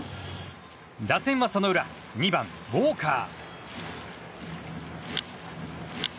打線はその裏２番、ウォーカー。